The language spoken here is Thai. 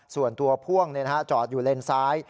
ส่วนตัวพ่วงจอดอยู่เลนซ้าย